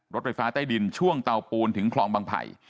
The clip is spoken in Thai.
รถไฟฟ้าใต้ดินช่วงเตาปูนถึงคลองบางไผ่